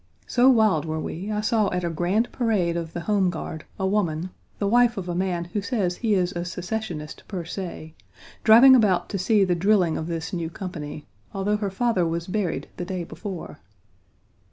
So wild were we, I saw at a grand parade of the home guard a woman, the wife of a man who says he is a secessionist per se, driving about to see the drilling of this new company, although her father was buried the day before.